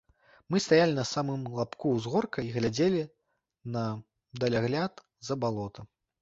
Мы стаялі на самым лабку ўзгорка і глядзелі на далягляд за балота.